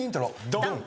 ドン！